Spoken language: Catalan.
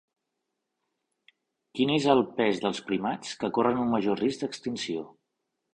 Quin és el pes dels primats que corren un major risc d'extinció?